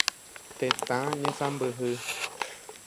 Tetã ñesãmbyhy.